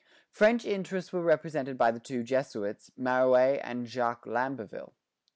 French interests were represented by the two Jesuits, Mareuil and Jacques Lamberville.